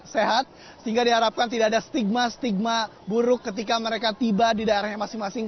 sehat sehingga diharapkan tidak ada stigma stigma buruk ketika mereka tiba di daerahnya masing masing